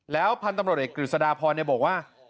แล้วพันธ์ตำรวจเอกกริจศาดาพรเนี่ยบอกว่า